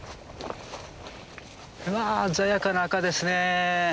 わあ鮮やかな赤ですね。